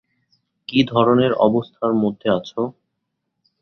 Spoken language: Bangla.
কি ধরনের অবস্থার মধ্যে আছো?